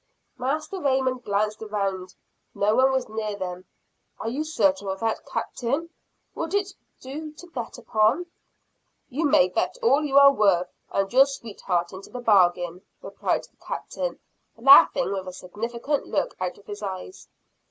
Master Raymond glanced around; no one was near them. "Are you certain of that, Captain? Would it do to bet upon? "You may bet all you are worth, and your sweetheart into the bargain," replied the Captain laughing, with a significant look out of his eyes.